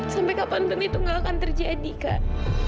sampai kapan tentu itu tidak akan terjadi kak